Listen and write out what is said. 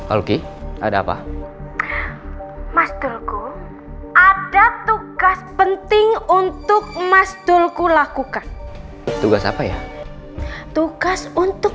alki ada apa maskerku ada tugas penting untuk mas dulku lakukan tugas apa ya tugas untuk